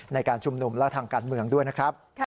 ในการชุมนุมและทางการเมืองด้วยนะครับ